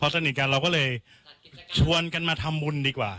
สนิทกันเราก็เลยชวนกันมาทำบุญดีกว่า